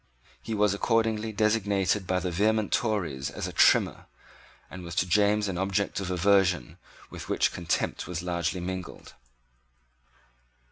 He was accordingly designated by the vehement Tories as a Trimmer, and was to James an object of aversion with which contempt was largely mingled.